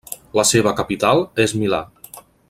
La seva capital és Milà.